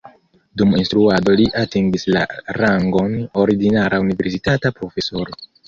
Dum instruado li atingis la rangon ordinara universitata profesoro.